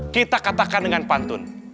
kita katakan dengan pantun